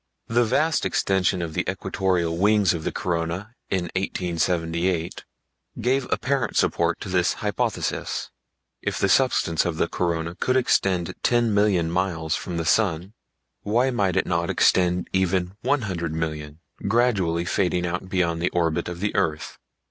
The vast extension of the equatorial wings of the corona in 1878 gave apparent support to this hypothesis; if the substance of the corona could extend ten million miles from the sun, why might it not extend even one hundred million, gradually fading out beyond the orbit of the earth?